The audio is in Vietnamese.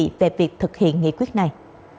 đề nghị về việc thực hiện nghị quyết này